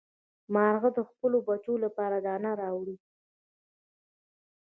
مارغه د خپلو بچیو لپاره دانه راوړي.